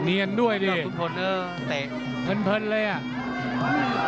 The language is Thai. เนียนด้วยดิเตะเพลินเลยอ่ะ